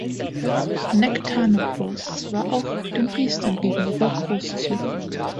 Nektanebos war auch den Priestern gegenüber großzügig.